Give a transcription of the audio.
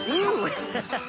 ハハハハハ。